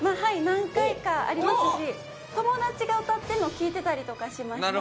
何回かありますし友達が歌ってるのを聴いてたりとかしました。